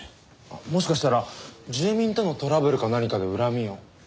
もしかしたら住民とのトラブルか何かで恨みを。